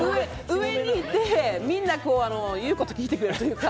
上にいて、みんな言うこと聞いてくれるというか。